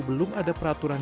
belum ada peraturan daerahnya